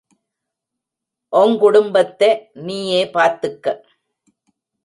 ஒங்குடும்பத்தே நீயே பார்த்துக்க.